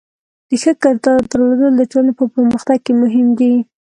د ښه کردار درلودل د ټولنې په پرمختګ کې مهم دی.